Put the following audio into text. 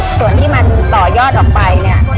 ส่วนที่มันต่อยอดออกไปเนี่ย